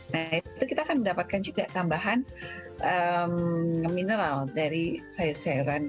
nah itu kita akan mendapatkan juga tambahan mineral dari sayur sayuran